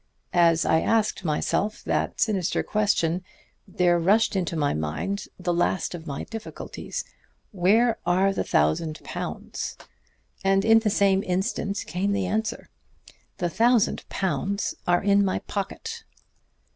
As I asked myself that sinister question there rushed into my mind the last of my difficulties: 'Where are the thousand pounds?' And in the same instant came the answer: 'The thousand pounds are in my pocket.'